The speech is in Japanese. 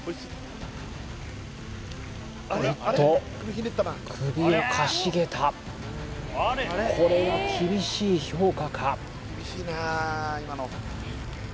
おっと首をかしげたこれは厳しい評価か？